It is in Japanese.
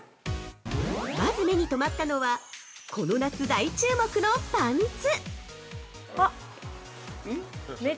◆まず目にとまったのはこの夏、大注目のパンツ。